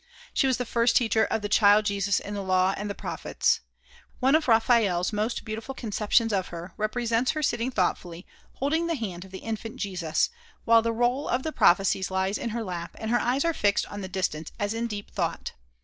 She was the first teacher of the child Jesus in the Law and the Prophets. One of Raphael's most beautiful conceptions of her represents her sitting thoughtfully, holding the hand of the infant Jesus, while the roll of the prophecies lies in her lap, and her eyes are fixed on the distance as in deep thought.